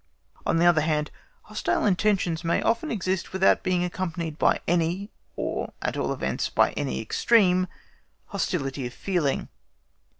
On the other hand, hostile intentions may often exist without being accompanied by any, or at all events by any extreme, hostility of feeling.